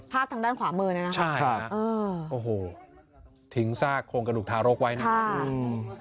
ทางด้านขวามือเนี่ยนะคะใช่ค่ะเออโอ้โหทิ้งซากโครงกระดูกทารกไว้นะครับ